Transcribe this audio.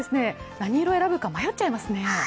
何色を選ぶか迷っちゃいますね。